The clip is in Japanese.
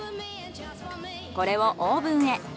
これをオーブンへ。